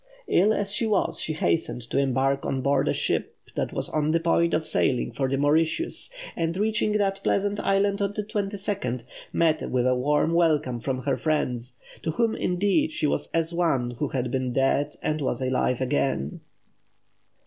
Ill as she was, she hastened to embark on board a ship that was on the point of sailing for the Mauritius; and reaching that pleasant island on the 22nd, met with a warm welcome from her friends to whom, indeed, she was as one who had been dead and was alive again.